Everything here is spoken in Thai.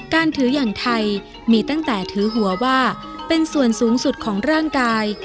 การถืออย่างไทยมีตั้งแต่ถือหัวว่าเป็นส่วนสูงสุดของร่างกาย